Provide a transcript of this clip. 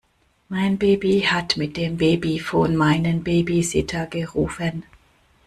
Mein Baby hat mit dem Babyphon meinen Babysitter gerufen.